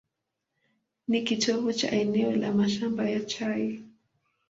Ni kitovu cha eneo la mashamba ya chai.